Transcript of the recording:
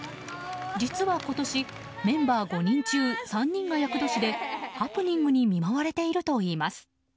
実は今年メンバー５人中３人が厄年でハプニングに見舞われているといいます。